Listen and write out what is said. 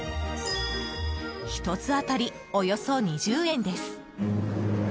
１つ当たり、およそ２０円です。